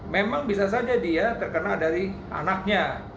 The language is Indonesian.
memang bisa saja dia terkena dari anaknya